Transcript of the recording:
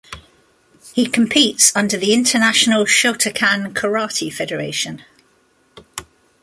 He competes under the International Shotokan Karate Federation.